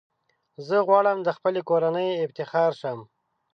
زه غواړم د خپلي کورنۍ افتخار شم .